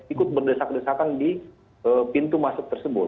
ikut berdesak desakan di pintu masuk tersebut